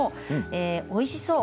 おいしそう。